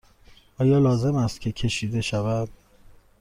آیا لازم است که کشیده شود؟